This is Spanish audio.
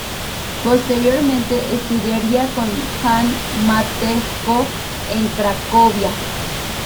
Posteriormente estudiaría con Jan Matejko en Cracovia.